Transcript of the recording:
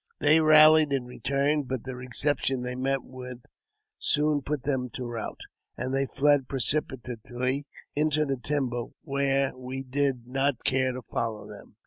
They rallied and returned, but the recep tion they met with soon put them to rout, and they fled precipitately into the timber, where we did not care to follow them.